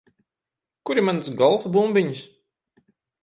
Kur ir manas golfa bumbiņas?